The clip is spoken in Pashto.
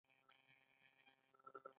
آیا تشخیصیه مرکزونه معیاري دي؟